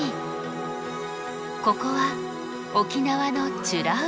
ここは沖縄の美ら海。